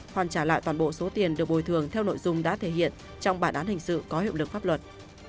hoàn trả lại toàn bộ số tiền được bồi thường theo nội dung đã thể hiện trong bản án hình sự có hiệu lực pháp luật